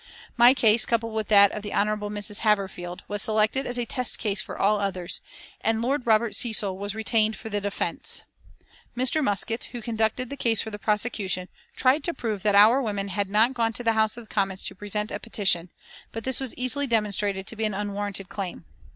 My case, coupled with that of the Hon. Mrs. Haverfield, was selected as a test case for all the others, and Lord Robert Cecil was retained for the defence. Mr. Muskett, who conducted the case for the prosecution, tried to prove that our women had not gone to the House of Commons to present a petition, but this was easily demonstrated to be an unwarranted claim.